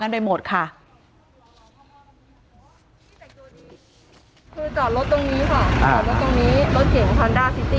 พอเรือกเสร็จเราก็เอาใส่เทะเซียดตัวเอง